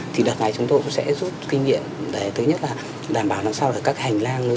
thì mọi người di chuyển thoát nạn qua đây nó được thoát lợi